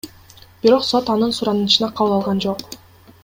Бирок сот анын суранычына кабыл алган жок.